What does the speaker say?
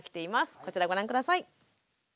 こちらご覧下さい。